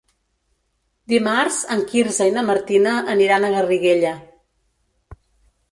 Dimarts en Quirze i na Martina aniran a Garriguella.